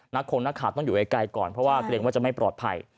คงนักข่าวต้องอยู่ไกลก่อนเพราะว่าเกรงว่าจะไม่ปลอดภัย